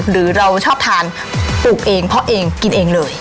หรือเราชอบทานปลูกเองเพราะเองกินเองเลย